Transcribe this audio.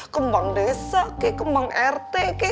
kembang desa kembang rt ke